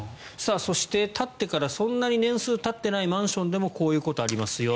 そして、建ってからそんなに年数がたっていないマンションでもこういうことがありますよ。